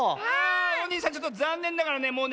おにいさんちょっとざんねんながらね